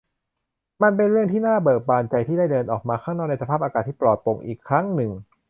มันเป็นเรื่องที่น่าเบิกบานใจที่ได้เดินออกมาข้างนอกในสภาพอากาศที่ปลอดโปร่งอีกครั้งหนึ่ง